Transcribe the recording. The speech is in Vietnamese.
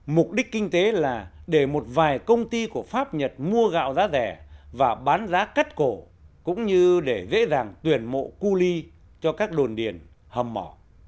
mục đích kinh tế là để một vài công ty của pháp nhật mua gạo giá rẻ và bán giá cắt cổ cũng như để dễ dàng tuyển mộ cu ly cho các đồn điền hầm mỏ